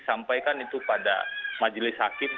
sampaikan itu pada majelis hakim